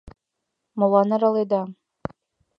Молан араледа?